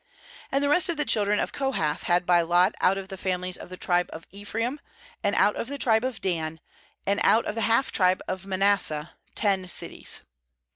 6And the rest of the children of Kohath had by lot out of the families of the tribe of Ephraim, and out of the tribe of Dan, and out of the half tribe of Manasseh, ten cities.